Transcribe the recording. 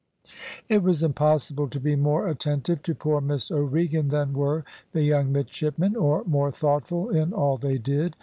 It was impossible to be more attentive to poor Miss O'Regan than were the young midshipmen, or more thoughtful in all they did.